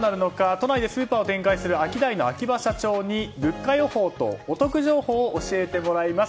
都内でスーパーを展開するアキダイの秋葉社長に物価予報とお得情報を教えてもらいます。